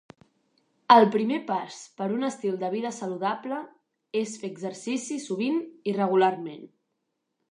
El primer pas per a un estil de vida saludable és fer exercici sovint i regularment.